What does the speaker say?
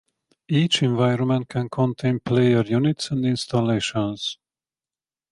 Each environment can contain player units and installations.